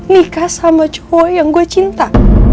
nikah sama cua yang gue cinta